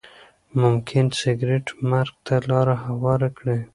ممکن سګریټ مرګ ته لاره هواره کړي.